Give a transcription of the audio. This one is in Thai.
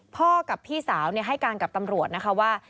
พ่อกับพี่สาวเนี่ยให้การกับตำรวจนะคะว่า